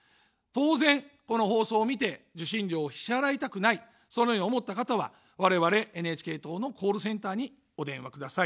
当然、この放送を見て受信料を支払いたくない、そのように思った方は我々ＮＨＫ党のコールセンターにお電話ください。